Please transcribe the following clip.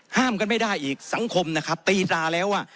ห้ามกันไม่ได้อีกสังคมนะครับตีตราแล้วว่า